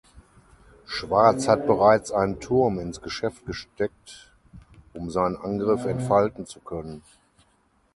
Schwarz hat bereits einen Turm ins Geschäft gesteckt um seinen Angriff entfalten zu können.